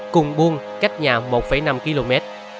cùng buôn cách nhà một năm km